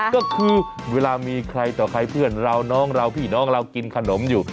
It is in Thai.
ก็คือเวลามีใครต่อใครเพื่อนเราน้องเราพี่น้องเรากินขนมอยู่